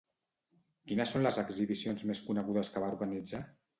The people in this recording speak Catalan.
Quines són les exhibicions més conegudes que va organitzar?